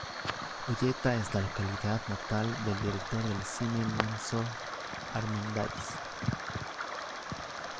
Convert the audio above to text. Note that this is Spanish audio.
Olleta es la localidad natal del director de cine Montxo Armendáriz.